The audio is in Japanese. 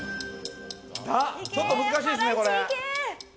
ちょっと難しいですね、これ。